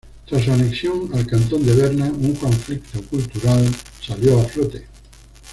Tras su anexión al cantón de Berna, un conflicto cultural salió a flote.